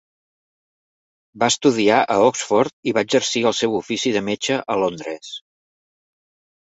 Va estudiar a Oxford i va exercir el seu ofici de metge a Londres.